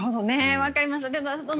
わかりました。